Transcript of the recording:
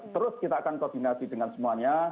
terus kita akan koordinasi dengan semuanya